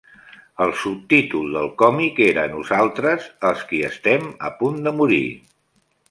El subtítol del còmic era "Nosaltres, els qui estem a punt de morir".